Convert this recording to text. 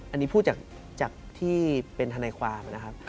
อันนี้พูดจากที่เป็นทนายความนะครับ